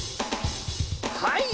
はい！